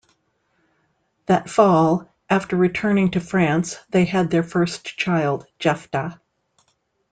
That fall, after returning to France, they had their first child, Jephta.